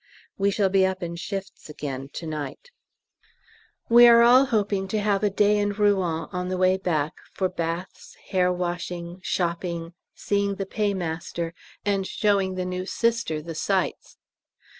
We shall be up in shifts again to night. We are all hoping to have a day in Rouen on the way back, for baths, hair washing, shopping, seeing the Paymaster, and showing the new Sister the sights.